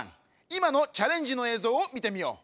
いまのチャレンジの映像をみてみよう！